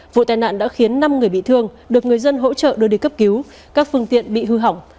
vụ tai nạn đã khiến năm người bị thương được người dân hỗ trợ đưa đi cấp cứu các phương tiện bị hư hỏng